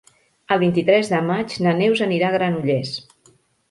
El vint-i-tres de maig na Neus anirà a Granollers.